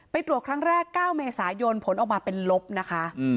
ตรวจครั้งแรก๙เมษายนผลออกมาเป็นลบนะคะ